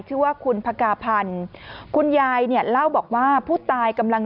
ชื่อว่าคุณพกาพันธ์คุณยายเนี่ยเล่าบอกว่าผู้ตายกำลัง